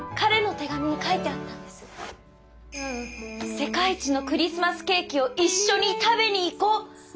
「世界一のクリスマスケーキを一緒に食べに行こう」。